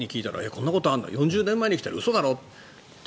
こんなことあるの４０年前に聞いたら嘘だろと。